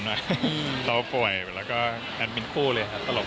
หน่อยอืมแล้วป่วยแล้วก็แอดมิตคู่เลยครับตลก